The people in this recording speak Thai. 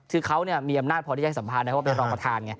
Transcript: คือเขามีอำนาจพอที่ได้สัมภาษณ์ด้วยเพราะว่าเป็นรองประธาน